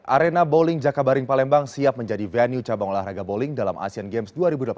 arena bowling jakabaring palembang siap menjadi venue cabang olahraga bowling dalam asean games dua ribu delapan belas